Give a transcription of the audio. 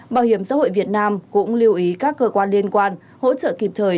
bảo hiểm xã hội việt nam cũng lưu ý các cơ quan liên quan hỗ trợ kịp thời